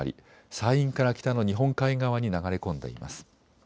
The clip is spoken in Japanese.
山陰から北の日本海側に流れ込んでいます。